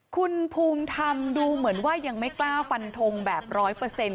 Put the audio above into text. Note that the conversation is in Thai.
คุณภูมิธรรมดูเหมือนว่ายังไม่กล้าฟันทงแบบร้อยเปอร์เซ็นต